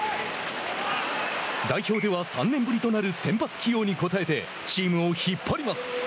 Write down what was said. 代表では３年ぶりとなる先発起用に応えてチームを引っ張ります。